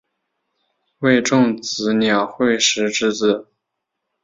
为种子岛惠时之子。